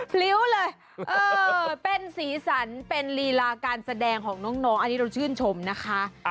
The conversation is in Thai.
พริ้วเลยเป็นสีสันเป็นลีลาการแสดงของน้องอันนี้เราชื่นชมนะคะ